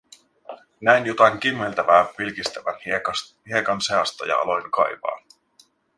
Näin jotain kimmeltävää pilkistävän hiekan seasta ja aloin kaivaa.